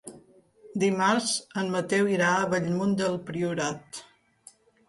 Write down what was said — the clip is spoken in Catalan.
Dimarts en Mateu irà a Bellmunt del Priorat.